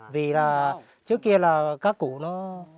vì là trước kia là các củ nó